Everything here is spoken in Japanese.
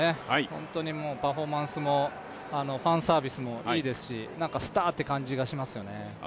本当にパフォーマンスもファンサービスもいいですしスターっていう感じがしますね。